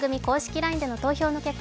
ＬＩＮＥでの投票の結果